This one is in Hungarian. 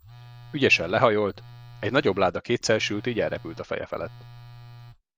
Ügyesen lehajolt, egy nagyobb láda kétszersült így elrepült a feje felett.